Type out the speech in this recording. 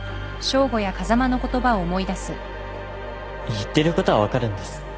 言ってることは分かるんです